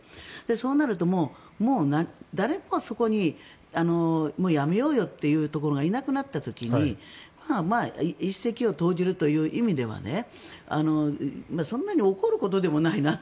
そうなるともう誰もそこにやめようよというところがいなくなった時に一石を投じるという意味ではそんなに怒ることでもないなと。